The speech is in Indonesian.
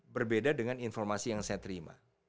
berbeda dengan informasi yang saya terima